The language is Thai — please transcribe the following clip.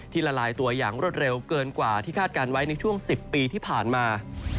ละลายตัวอย่างรวดเร็วเกินกว่าที่คาดการณ์ไว้ในช่วง๑๐ปีที่ผ่านมา